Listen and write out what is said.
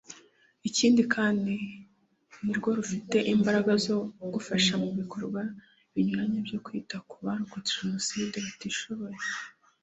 Ikindi kandi nirwo (urubyiruko) rufite imbaraga zo gufasha mu bikorwa binyuranye byo kwita ku barokotse Jenoside batishoboye